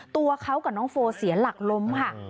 ตัวเขากับน้องโฟเสียหลักล้มค่ะ